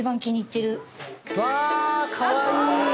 うわかわいい！